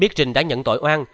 biết trình đã nhận tội oan